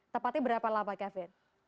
tepatnya berapa lama kevin